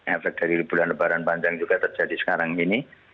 efek dari liburan panjang juga terjadi sekarang ini